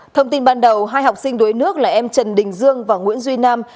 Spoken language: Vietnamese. thông tin ban đầu hai học sinh đuối nước là em trần đình dương và nguyễn duy nam